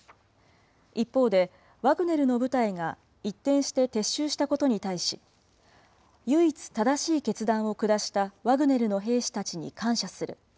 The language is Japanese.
一方でワグネルの部隊が一転して撤収したことに対し、唯一正しい決断を下したワグネルの兵士たちに感謝する。